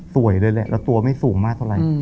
สวยเลยแหละแล้วตัวไม่สูงมากเท่าไหร่